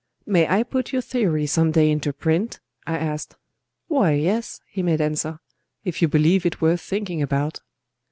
"May I put your theory some day into print?" I asked. "Why, yes," he made answer,—"if you believe it worth thinking about."